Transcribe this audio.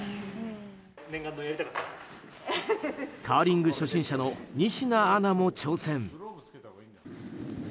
カーリング初心者の仁科アナも挑戦。